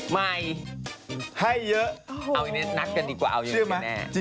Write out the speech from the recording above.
ไม่